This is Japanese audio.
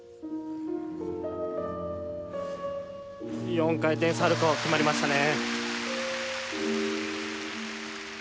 ４回転サルコー決まりましたね。